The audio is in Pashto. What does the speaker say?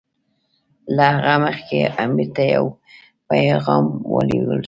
له هغه مخکې امیر ته یو پیغام ولېږل شي.